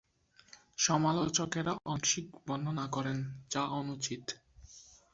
সমালোচকেরা আংশিক বর্ণনা করেন, যা অনুচিত।